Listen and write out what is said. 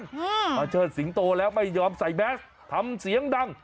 มาเชิดสิงโตแล้วไม่ยอมใส่แมสทำเสียงดัง